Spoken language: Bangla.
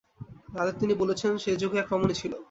তাতে তিনি বলেছেন, সে যুগে এক রমণী ছিল।